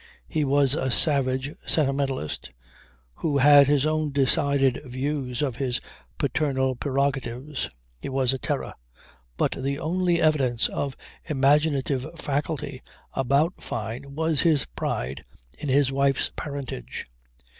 He was a savage sentimentalist who had his own decided views of his paternal prerogatives. He was a terror; but the only evidence of imaginative faculty about Fyne was his pride in his wife's parentage.